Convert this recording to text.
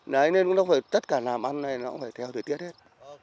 đấy nên nó phải tất cả làm ăn này nó phải theo thời tiết hết